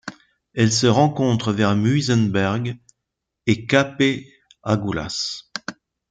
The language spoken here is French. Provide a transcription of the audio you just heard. Elle se rencontre vers Muizenberg et Cape Agulhas.